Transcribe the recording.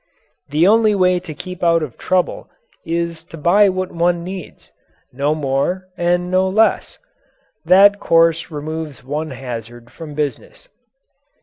The only way to keep out of trouble is to buy what one needs no more and no less. That course removes one hazard from business.